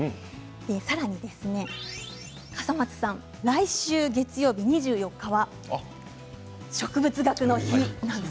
さらに笠松さん来週月曜日２４日は植物学の日なんです。